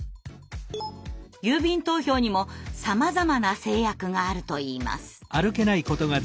郵便投票にもさまざまな制約があるといいます。